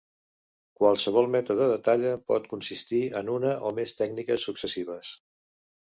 Qualsevol mètode de talla pot consistir en una o més tècniques successives.